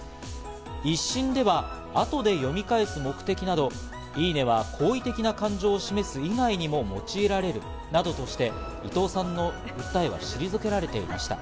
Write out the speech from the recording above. １審では後で読み返す目的など、「いいね」は好意的な感情を示す以外にも用いられるなどとして、伊藤さんの訴えは退けられていました。